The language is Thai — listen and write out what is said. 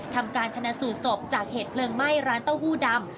ทำการชนะสูตรศพจากเหตุเพลิงไหม้ร้านเต้าหู้ดำ